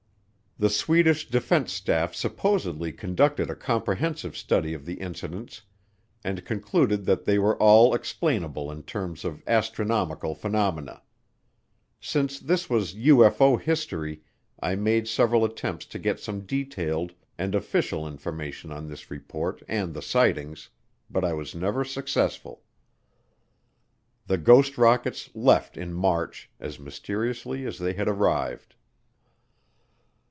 The Swedish Defense Staff supposedly conducted a comprehensive study of the incidents and concluded that they were all explainable in terms of astronomical phenomena. Since this was UFO history, I made several attempts to get some detailed and official information on this report and the sightings, but I was never successful. The ghost rockets left in March, as mysteriously as they had arrived.